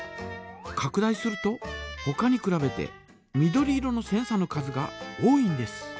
かく大するとほかにくらべて緑色のセンサの数が多いんです。